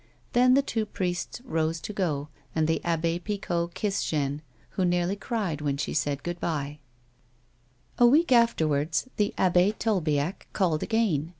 Then the two priests rose to go, and the Abbe Picot kissed Jeanne, who nearly cried when she said good bye. A week afterwards, the Abb^ Tolbiac called again.